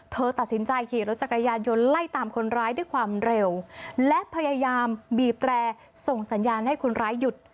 เธอตัดสินใจขี่รถจักรยานยนต์ไล่ตามคนร้ายด้วยความเร็วและพยายามบีบแตรส่งสัญญาณให้คนร้ายหยุด